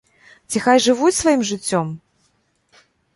Ці хай жывуць сваім жыццём?